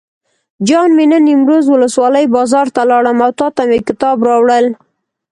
جان مې نن نیمروز ولسوالۍ بازار ته لاړم او تاته مې کتاب راوړل.